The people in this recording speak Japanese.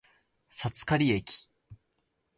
札苅駅